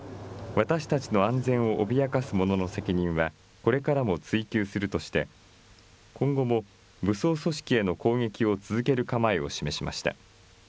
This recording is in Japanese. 私たちの安全を脅かす者の責任は、これからも追及するとして、今後も武装組織への攻撃を続ける構えを示しました。